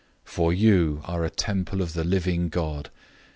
For you are a temple of the living God.